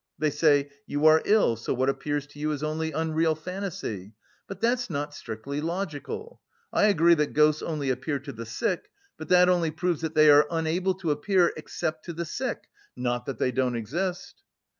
"They say, 'You are ill, so what appears to you is only unreal fantasy.' But that's not strictly logical. I agree that ghosts only appear to the sick, but that only proves that they are unable to appear except to the sick, not that they don't exist."